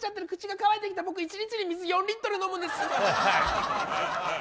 口が乾いてきた僕１日に水４リットル飲むんです。